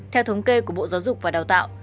theo thống kê của bộ giáo dục và đào tạo